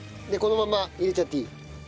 このまま入れちゃっていい？